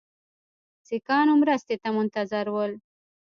سیکهانو مرستې ته منتظر ول.